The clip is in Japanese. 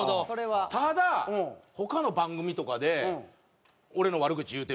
ただ他の番組とかで俺の悪口言うてるみたいな。